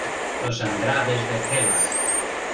¡ los Andrades de Cela!